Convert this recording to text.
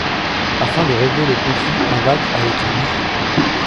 Afin de régler le conflit, un Vak a été lu.